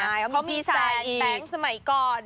ใช่เขามีพี่ชายอีกเพราะมีแสนแป๊งสมัยก่อน